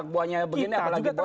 kita juga tercekat